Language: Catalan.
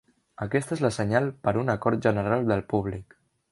Aquesta és la senyal per un acord general del públic.